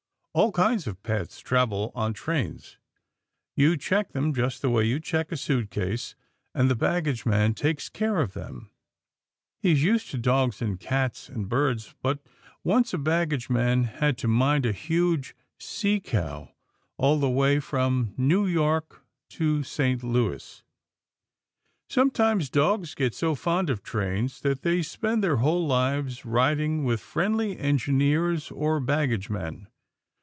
All kinds of pets travel on trains. You check them, just the way you check a suitcase, and the baggageman takes care of them. He is used to dogs and cats and birds, but once a baggageman had to mind a huge sea cow all the way from New York to St. Louis. Sometimes dogs get so fond of trains that they spend their whole lives riding with friendly engineers or baggagemen.